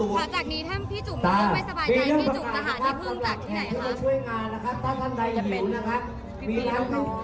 หลังจากนี้ถ้าพี่จุมไม่ได้ไม่สบายใจพี่จุมตะหาที่พึ่งจัดที่ไหนคะ